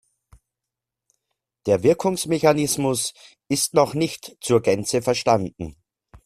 Der Wirkungsmechanismus ist noch nicht zur Gänze verstanden.